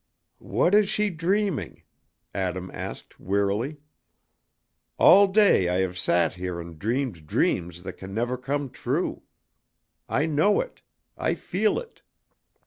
"What is she dreaming?" Adam asked wearily. "All day I have sat here and dreamed dreams that can never come true. I know it; I feel it.